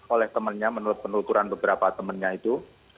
oleh temannya menurut penuturan beberapa temannya itu